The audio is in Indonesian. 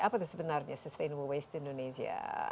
apa itu sebenarnya sustainable waste indonesia